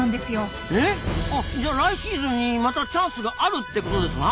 あじゃあ来シーズンにまたチャンスがあるってことですな？